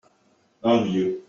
Un vieux.